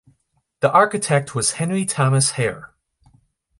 The architect was Henry Thomas Hare.